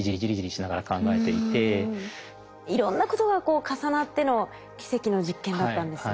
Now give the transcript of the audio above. いろんなことが重なっての奇跡の実験だったんですね。